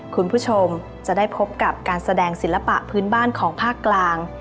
คุณผู้ชมจะได้พบกับการแสดงศิลปะพื้นบ้านของภาคกลาง